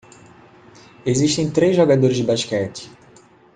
Existem três jogadores de basquete